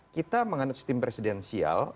kita mengandung sistem presidensial